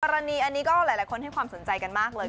อันนี้ก็หลายคนให้ความสนใจกันมากเลย